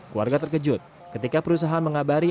keluarga terkejut ketika perusahaan mengabari